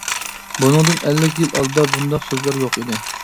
بۇنىڭدىن ئەللىك يىل ئالدىدا بۇنداق سۆزلەر يوق ئىدى.